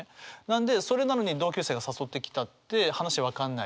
なんでそれなのに同級生が誘ってきたって話分かんない。